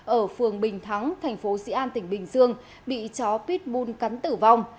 ở phường bình thắng tp dian tỉnh bình dương bị chó pitbull cắn tử vong